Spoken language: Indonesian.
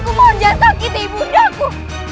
aku mohon jasak iti bunda aku